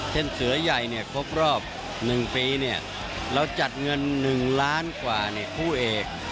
เช่นเสือใหญ่เนี่ยครบรอบ๑ปีเนี่ยเราจัดเงิน๑ล้านกว่าเนี่ยคู่เอก